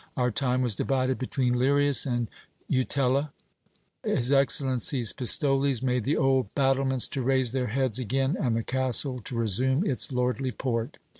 Our time was divided between Lirias and Jutella : his excellency's pistoles made the old battlements to raise their heads again, and the castle to resume its lordly port.